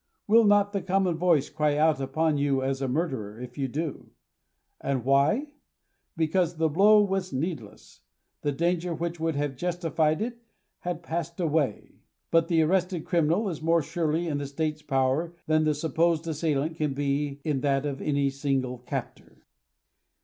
Will not the common voice cry out upon you as a murderer, if you do ? And why ? Because the blow was needless. The danger which would have justified it had passed away. But the arrested criminal is more surely in the state's power than the supposed assailant can be in that of any single captor.